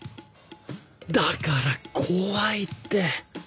だから怖いって